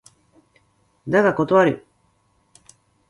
だが断る。